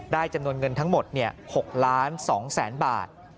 ได้จำนวนเงินทั้งหมด๖ล้าน๒แสนบาท